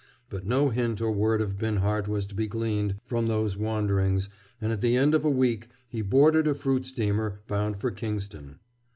But no hint or word of Binhart was to be gleaned from those wanderings, and at the end of a week he boarded a fruit steamer bound for Kingston.